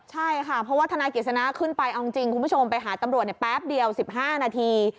ใช่ค่ะเพราะว่าธนายกิจสนาขึ้นไปเอาจริงคุณผู้ชมไปหาตำรวจแป๊บเดียว๑๕นาที